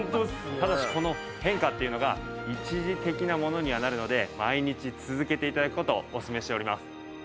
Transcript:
ただしこの変化っていうのが一時的なものにはなるので毎日続けて頂く事をおすすめしております。